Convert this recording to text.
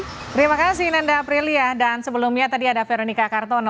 terima kasih nanda aprilia dan sebelumnya tadi ada veronica kartono